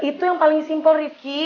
itu yang paling simpel rifqi